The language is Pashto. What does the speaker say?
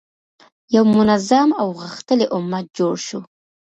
یو منظم او غښتلی امت جوړ شو.